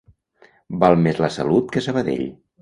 Val més la Salut que Sabadell.